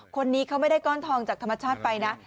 คนนี้เขาไม่ได้ก้อนทองจากธรรมชาติไปนะ